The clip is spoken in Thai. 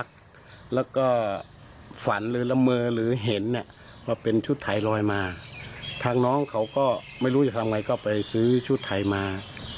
ก็ไม่รู้จะทำยังไงก็ไปซื้อชุดไทยมา